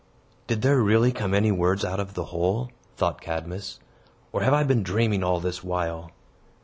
"Did there really come any words out of the hole?" thought Cadmus; "or have I been dreaming all this while?"